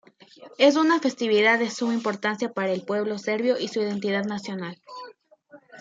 Es una festividad de suma importancia para el pueblo serbio y su identidad nacional.